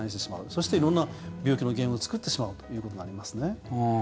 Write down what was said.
そして、色んな病気の原因を作ってしまうということになりますね。